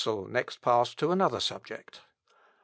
Tezel next passed to another subject.